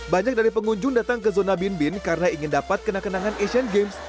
banyak dari pengunjung datang ke zona binbin karena ingin dapat kenang kenangan asian games